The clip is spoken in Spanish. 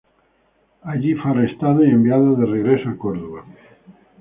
Allí fue arrestado y enviado de regreso a Córdoba.